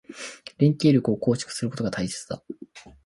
連携力を構築することが大切だ。